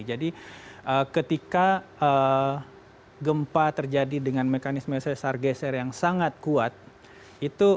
jadi ketika gempa terjadi dengan mekanisme sejarah geser yang sangat kuat itu